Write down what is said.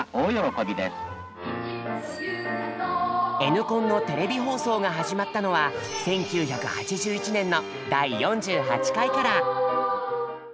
「Ｎコン」のテレビ放送が始まったのは１９８１年の第４８回から。